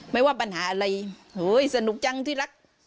ไม่ว่าปัญหาอะไรเฮ้ยสนุกจังที่รัก